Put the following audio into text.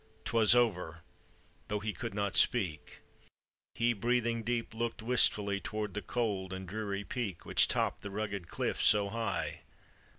'Twas over, tho' he could not speak, He, breathing deep, look'd wistfully Toward the cold and dreary peak Which topped the rugged cliff so high.